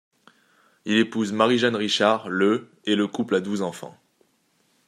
Il épouse Marie-Jeanne Richard le et le couple a douze enfants.